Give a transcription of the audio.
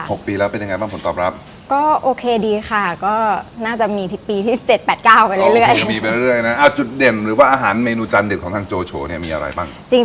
ปีแล้วเป็นยังไงบ้างผลตอบรับก็โอเคดีค่ะก็น่าจะมีที่ปีที่เจ็ดแปดเก้าไปเรื่อยมีไปเรื่อยนะอ่าจุดเด่นหรือว่าอาหารเมนูจานเด็ดของทางโจโฉเนี่ยมีอะไรบ้างจริง